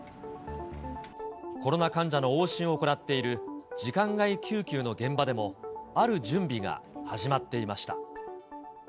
コロナ患者の往診を行っている時間外救急の現場でも、ある準備が始まっていました。